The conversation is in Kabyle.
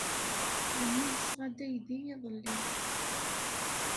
Ɛemmi yesɣa-d aydi iḍelli.